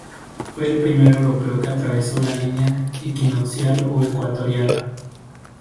Fue el primer europeo que atravesó la línea equinoccial o ecuatorial.